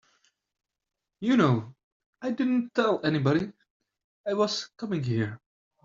You know I didn't tell anybody I was coming here.